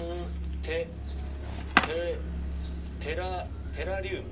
テテテラリウム。